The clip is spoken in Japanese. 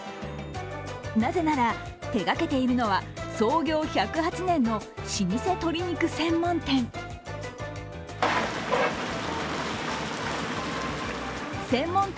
なぜなら、手がけているのは創業１０８年の老舗鶏肉専門店。